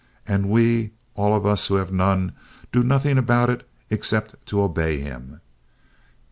And we, all of us who have none, do nothing about it except to obey him.